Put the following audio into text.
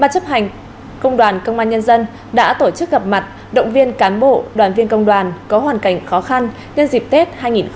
ban chấp hành công đoàn công an nhân dân đã tổ chức gặp mặt động viên cán bộ đoàn viên công đoàn có hoàn cảnh khó khăn nhân dịp tết hai nghìn hai mươi bốn